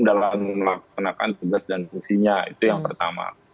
dalam melaksanakan tugas dan fungsinya itu yang pertama